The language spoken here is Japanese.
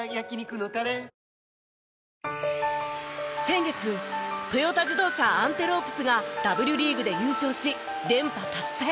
先月トヨタ自動車アンテロープスがＷリーグで優勝し連覇達成。